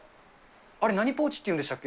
あれ、何ポーチって言うんですっけ。